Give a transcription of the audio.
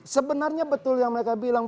sebenarnya betul yang mereka bilang